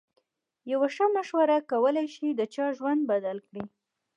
یوه ښه مشوره کولای شي د چا ژوند بدل کړي.